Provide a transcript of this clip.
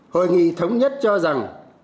hội nghị thống nhất cho rằng